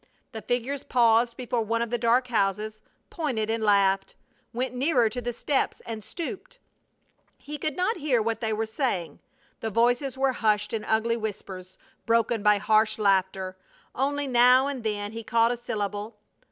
The figures paused before one of the dark houses, pointed and laughed; went nearer to the steps and stooped. He could not hear what they were saying; the voices were hushed in ugly whispers, broken by harsh laughter. Only now and then he caught a syllable.